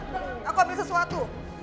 nanti aku ambil sesuatu